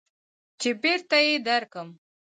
چې بېرته يې درکم.